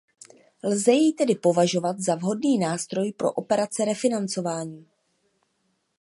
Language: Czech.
Lze jej tedy považovat za vhodný nástroj pro operace refinancování.